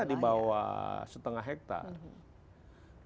di bawah setengah hektare